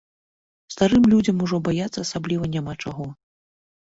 Старым людзям ужо баяцца асабліва няма чаго.